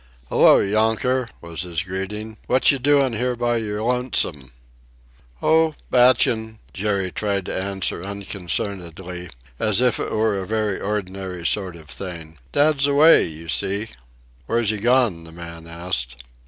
"Hello, younker!" was his greeting. "What you doin' here by your lonesome?" "Oh, bachin'," Jerry tried to answer unconcernedly, as if it were a very ordinary sort of thing. "Dad's away, you see." "Where's he gone?" the man asked.